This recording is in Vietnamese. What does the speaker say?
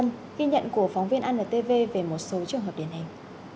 nhận kinh nghiệm của phóng viên anntv về một số trường hợp điển hình